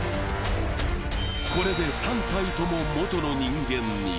これで３体とも元の人間に。